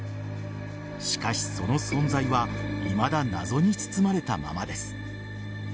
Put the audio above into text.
しかし、その存在はいまだ謎に包まれたままです。